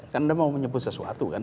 karena mau menyebut sesuatu kan